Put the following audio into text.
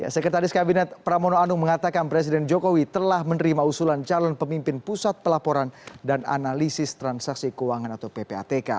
sekretaris kabinet pramono anung mengatakan presiden jokowi telah menerima usulan calon pemimpin pusat pelaporan dan analisis transaksi keuangan atau ppatk